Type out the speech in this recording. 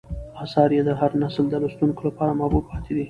آثار یې د هر نسل د لوستونکو لپاره محبوب پاتې دي.